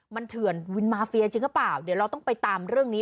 มันเถื่อนวินมาเฟียจริงหรือเปล่าเดี๋ยวเราต้องไปตามเรื่องนี้